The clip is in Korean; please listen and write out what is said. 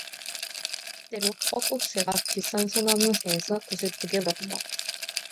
때로 뻐꾹새가 뒷산 소나무 새에서 구슬프게 울었다.